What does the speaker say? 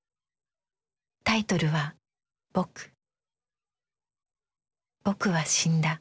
タイトルは「ぼく」。